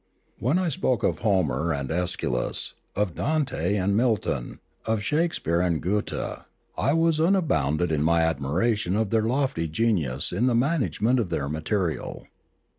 When I spoke of Homer and ^schylus, of Dante and Milton, of Shakespeare and Goethe, I was unbounded in my admiration of their lofty genius in the management of their material.